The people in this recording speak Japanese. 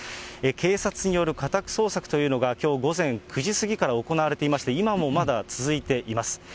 警察による家宅捜索というのが、きょう午前９時過ぎから行われていまして、今もまだ続いています。